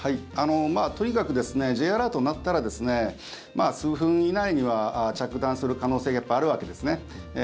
とにかくＪアラートが鳴ったら数分以内には着弾する可能性があるわけですね。